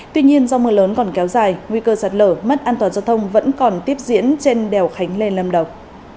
tuy nhiên do mưa lớn còn kéo dài nguy cơ sạt lở mất an toàn giao thông vẫn còn tiếp diễn trên đèo khánh lê lâm đồng